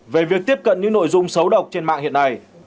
về việc tiếp cận những nội dung xấu độc trên mạng hiện nay